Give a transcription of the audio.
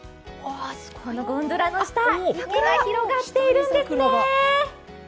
このゴンドラの下、池が広がっているんですね。